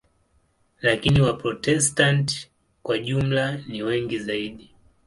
Lakini Waprotestanti kwa jumla ni wengi zaidi.